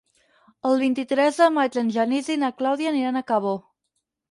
El vint-i-tres de maig en Genís i na Clàudia aniran a Cabó.